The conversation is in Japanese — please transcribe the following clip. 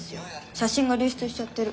写真が流出しちゃってる。